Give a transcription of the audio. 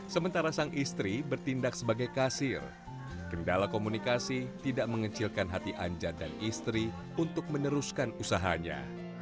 sementara sang istri bertindak sebagai kasir kendala komunikasi tidak mengecilkan hati anjar dan istri untuk meneruskan usahanya